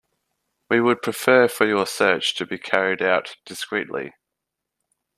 We would prefer for your search to be carried out discreetly.